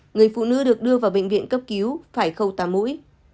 người phụ nữ được đưa vào bệnh viện cấp cứu phải khâu tà mũi